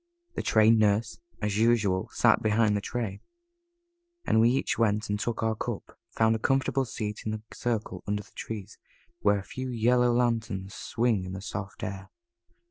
The Trained Nurse, as usual, sat behind the tray, and we each went and took our cup, found a comfortable seat in the circle under the trees, where a few yellow lanterns swung in the soft air.